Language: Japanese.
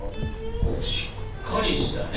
こうしっかりしたね